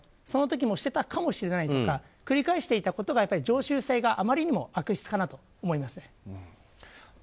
その時もしてたかもしれないとか繰り返していたことがやっぱり常習性があまりにも悪質かなと思いますね。